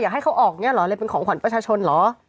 ให้เขาออกเนี่ยเหรอเลยเป็นของขวัญประชาชนเหรอ